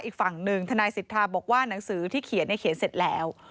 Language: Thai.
อีกฝั่งหนึ่งทนายสิทธาบอกว่าหนังสือที่เขียนเขียนเสร็จแล้ว